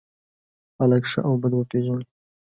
خلک ښه او بد وپېژني.